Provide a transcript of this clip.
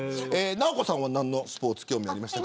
直子さんは何のスポーツ興味ありましたか。